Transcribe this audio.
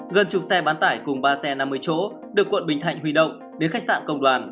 gần chục xe bán tải cùng ba xe năm mươi chỗ được quận bình thạnh huy động đến khách sạn công đoàn